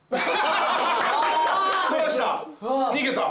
逃げた。